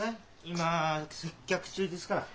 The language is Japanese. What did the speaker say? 今接客中ですから。